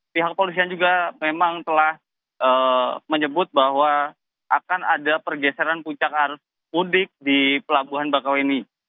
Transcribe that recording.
pihak polisian juga memang telah menyebut bahwa akan ada pergeseran puncak arus mudik di pelabuhan bakau ini